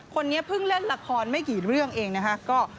คนนี้เพิ่งเล่นละครไม่กี่เรื่องเองนะคะ